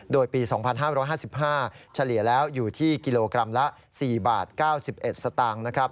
โดยปี๒๕๕๕เฉลี่ยแล้วอยู่ที่กิโลกรัมละ๔บาท๙๑สตางค์นะครับ